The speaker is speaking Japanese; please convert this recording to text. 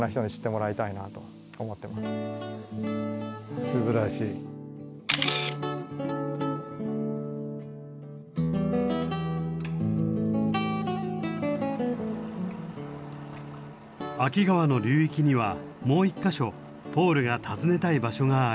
秋川の流域にはもう一か所ポールが訪ねたい場所がありました。